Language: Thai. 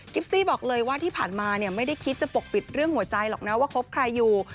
ซี่บอกเลยว่าที่ผ่านมาเนี่ยไม่ได้คิดจะปกปิดเรื่องหัวใจหรอกนะว่าคบใครอยู่